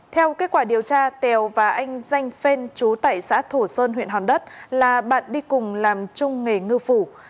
theo kết quả điều tra tèo và anh danh phên chú tại xã thổ sơn huyện hòn đất là bạn đi cùng làm chung nghề ngư phủ